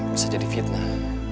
bisa jadi fitnah